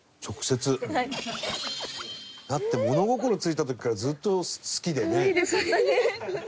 だって物心ついた時からずっと好きでね。